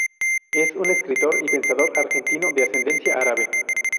Es un escritor y pensador argentino de ascendencia árabe.